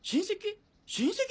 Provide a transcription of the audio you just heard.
親戚？